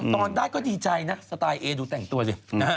ตอนได้ก็ดีใจนะสไตล์เอดูแต่งตัวสินะฮะ